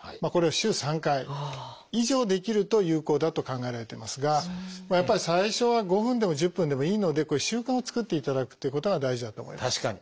これを週３回以上できると有効だと考えられてますがやっぱり最初は５分でも１０分でもいいので習慣を作っていただくということが大事だと思います。